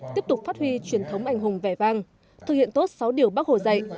tiếp tục phát huy truyền thống ảnh hồng vẻ vang thực hiện tốt sáu điều bác hồ dạy